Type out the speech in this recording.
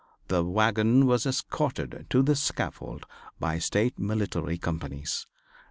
The wagon was escorted to the scaffold by State military companies.